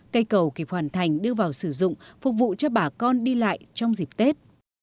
cây cầu kịp hoàn thành đưa vào sử dụng phục vụ cho bà con đi lại trong dịp tết